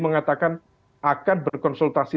mengatakan akan berkonsultasi